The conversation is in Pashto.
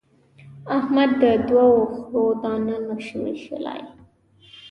احمد د دوو خرو دانه نه شي وېشلای.